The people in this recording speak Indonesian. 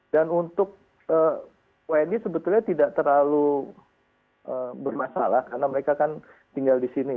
dan untuk wnd sebetulnya tidak terlalu bermasalah karena mereka kan tinggal di sini